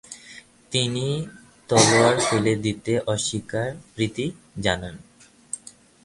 তিনি তলোয়ার ফেলে দিতে অস্বীকৃতি জানান।